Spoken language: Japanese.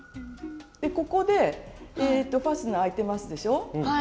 ここでファスナー開いてますでしょ。